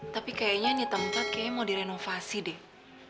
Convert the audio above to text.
tapi kayaknya ini tempat kayaknya mau direnovasi deh